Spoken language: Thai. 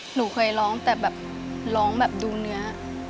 หนูเคยร้องแต่แบบร้องแบบดูเนื้อ